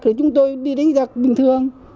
thì chúng tôi đi đánh giặc bình thường